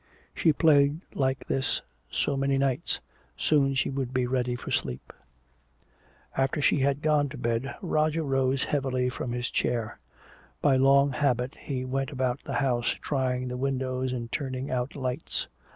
She played like this so many nights. Soon she would be ready for sleep. After she had gone to bed, Roger rose heavily from his chair. By long habit he went about the house trying the windows and turning out lights.